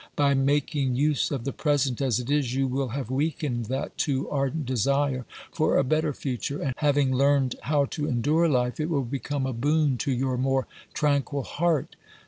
By making use of the present as it is, you will have weakened that too ardent desire for a better future, and having learned how to endure life, it will become a boon to your more tranquil heart.